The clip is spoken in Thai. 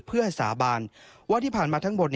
เพื่อสาบานว่าที่ผ่านมาทั้งหมด